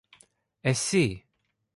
Εσύ!